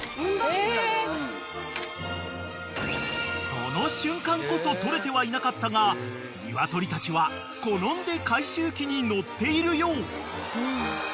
［その瞬間こそ撮れてはいなかったが鶏たちは好んで回収機に乗っているよう］